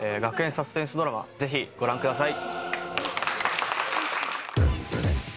サスペンスドラマぜひご覧ください。